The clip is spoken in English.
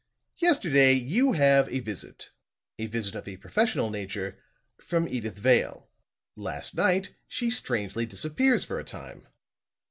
"Yesterday you have a visit a visit of a professional nature from Edyth Vale. Last night she strangely disappears for a time.